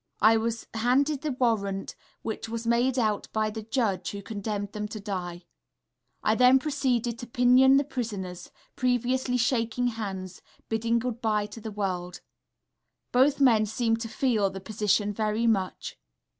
I was handed the warrant, which was made out by the judge who condemned them to die. I then proceeded to pinion the prisoners, previously shaking hands, bidding good bye to this world. Both men seemed to feel the position very much.